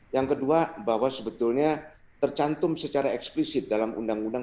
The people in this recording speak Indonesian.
yang kedua bahwa sebetulnya tercantum secara eksplisit dalam undang undang